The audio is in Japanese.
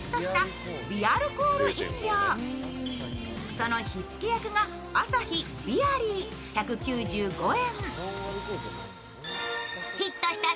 その火付け役が、アサヒビアリー、１９５円。